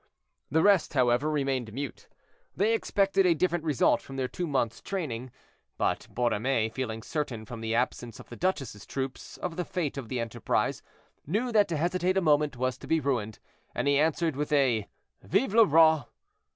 The rest, however, remained mute: they expected a different result from their two months' training. But Borromée, feeling certain from the absence of the duchess's troops of the fate of the enterprise, knew that to hesitate a moment was to be ruined, and he answered with a "Vive le Roi!"